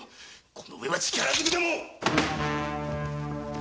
この上は力づくでも！